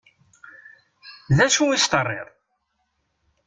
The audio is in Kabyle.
D acu i s-terriḍ?